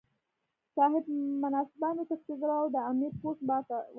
صاحب منصبان وتښتېدل او د امیر پوځ ماته وکړه.